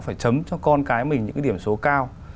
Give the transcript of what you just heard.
phải chấm cho con cái mình những cái điểm số cao